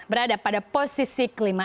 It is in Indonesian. berada pada posisi kelima